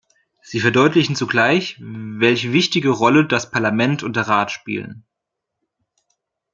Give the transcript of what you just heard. Sie verdeutlichen zugleich, welch wichtige Rolle das Parlament und der Rat spielen.